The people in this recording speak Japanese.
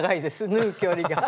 縫う距離が。